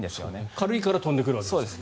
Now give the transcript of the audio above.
軽いから飛んでくるんですもんね。